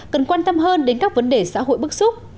cần quan tâm hơn đến các vấn đề xã hội bức xúc